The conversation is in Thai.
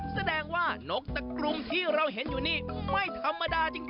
แสดงว่านกตะกรุงที่เราเห็นอยู่นี่ไม่ธรรมดาจริง